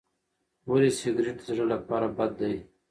ولې سګریټ د زړه لپاره بد دی؟